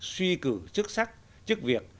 suy cử chức sách chức việc